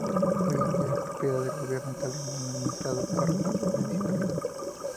Hoy en día es propiedad del gobierno italiano, y es administrado por la municipalidad.